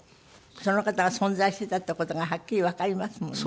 その方が存在していたっていう事がはっきりわかりますもんね。